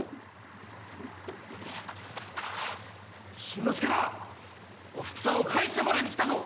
真之介だおふくさんをもらいに来たぞ。